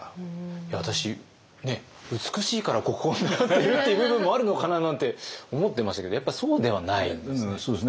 いや私美しいから国宝になっているっていう部分もあるのかななんて思ってましたけどやっぱそうではないんですね。